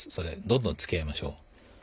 どんどんつきあいましょう。